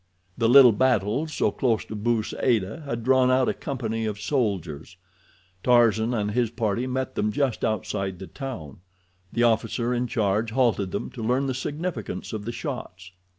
The little battle so close to Bou Saada had drawn out a company of soldiers. Tarzan and his party met them just outside the town. The officer in charge halted them to learn the significance of the shots.